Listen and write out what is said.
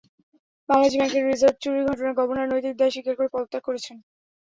বাংলাদেশ ব্যাংকের রিজার্ভ চুরির ঘটনায় গভর্নর নৈতিক দায় স্বীকার করে পদত্যাগ করেছেন।